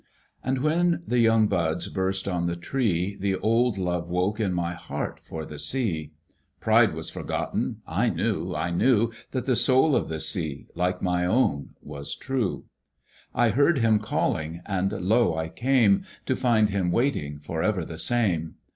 And when the young buds burst on the tree, The old love woke in my heart for the Sea. Pride was forgotten I knew, I knew, That the soul of the Sea, like my own, was true I heard him calling, and lo ! I came, To hnd him waiting, for ever the same.